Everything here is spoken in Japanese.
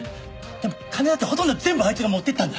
でも金だってほとんど全部あいつが持っていったんだ。